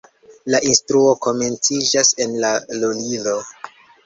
La instruo komenciĝas en la lulilo.